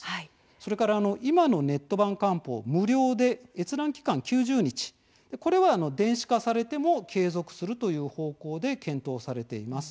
それから今のネット版の官報は無料で閲覧期間は９０日これは電子化されても継続するという方向で検討されています。